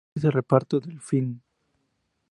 Éste es el reparto del film.